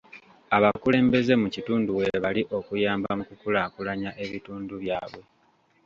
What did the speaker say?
Abakulembeze mu kitundu weebali okuyamba mu kukulaakulanya ebitundu byabwe.